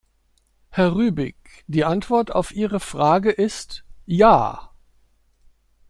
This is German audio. Herr Rübig, die Antwort auf Ihre Frage ist "Ja".